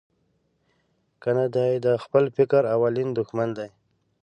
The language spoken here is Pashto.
کنه دای د خپل فکر اولین دوښمن دی.